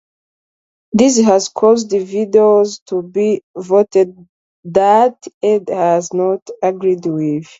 This has caused videos to be voted that Ed has not agreed with.